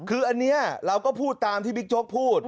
คืออันนี้เราก็พูดตามที่บิ๊กโจ๊กพูด